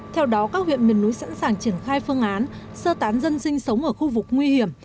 theo đó các huyện miền núi sẵn sàng triển khai phương án sơ tán dân sinh sống ở khu vực nguy hiểm